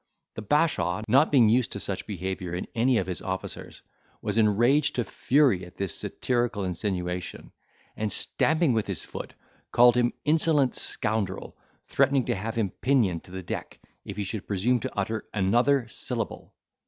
The bashaw, not being used to such behaviour in any of his officers, was enraged to fury at this satirical insinuation, and, stamping with his foot, called him insolent scoundrel, threatening to have him pinioned to the deck, if he should presume to utter another syllable.